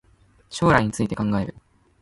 将来について考える